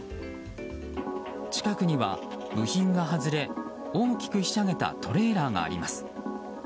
近くには部品が外れ大きくひしゃげたトレーラーがあります。